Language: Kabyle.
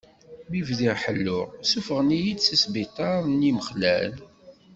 Mi bdiɣ ḥelluɣ, suffɣen-iyi-d seg sbiṭar n yimexlal.